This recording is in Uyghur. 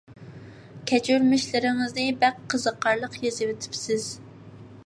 كەچۈرمىشلىرىڭىزنى بەك قىزىقارلىق يېزىۋېتىپسىز.